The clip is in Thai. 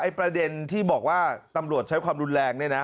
ประเด็นที่บอกว่าตำรวจใช้ความรุนแรงเนี่ยนะ